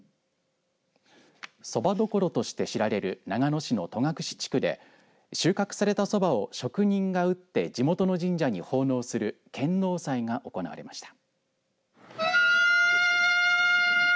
そばどころとして知られる長野市の戸隠地区で収穫したそばを職人が打って地元の神社に奉納する献納祭が行われました。